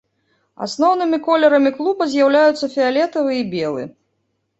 Асноўнымі колерамі клуба з'яўляюцца фіялетавы і белы.